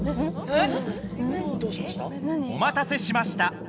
えっ！？